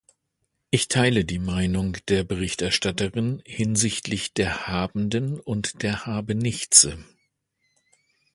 Ich teile die Meinung der Berichterstatterin hinsichtlich der Habenden und der Habenichtse.